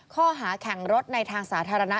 ข้อหาแข่งรถในทางสาธารณะ